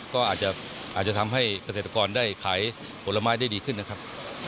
ก็อาจจะทำให้เกษตรกรได้ขายผลไม้ได้ดีขึ้นนะครับ